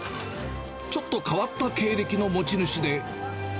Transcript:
ちょっと変わった経歴の持ち主で。